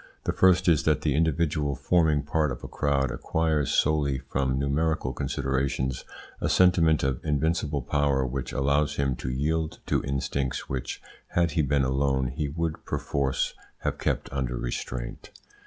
The first is that the individual forming part of a crowd acquires, solely from numerical considerations, a sentiment of invincible power which allows him to yield to instincts which, had he been alone, he would perforce have kept under restraint.